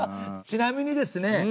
ちなみにですね